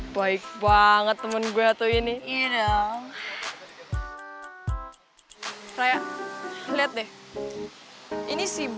biarin lah yuk